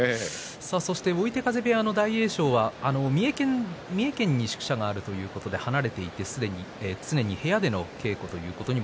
追手風部屋の大栄翔は三重県に宿舎があるということで離れていて常に部屋での稽古でした。